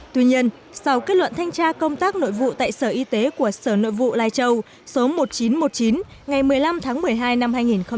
tuy nhiên sau kết luận thanh tra công tác nội vụ tại sở y tế của sở nội vụ lai châu số một nghìn chín trăm một mươi chín ngày một mươi năm tháng một mươi hai năm hai nghìn một mươi tám